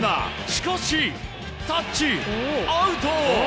しかし、タッチアウト！